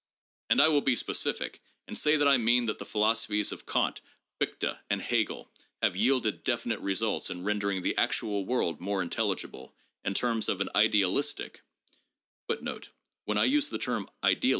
And I will be specific and say that I mean that the philosophies of Kant, Fichte and Hegel have yielded definite results in rendering the actual world more intelligible in terms of an idealistic 7 rendering of experience.